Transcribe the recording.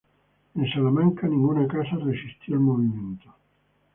En Salamanca, ninguna casa resistió el movimiento.